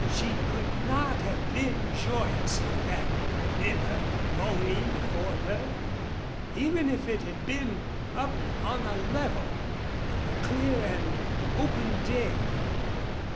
She could not have been joyous with that river moaning before her, even if it had been up on a level, in the clear and open day.